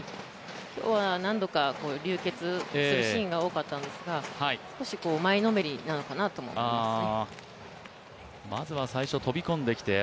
今日は何度か流血するシーンがあったんですが、少し前のめりなのかなとも思いますね。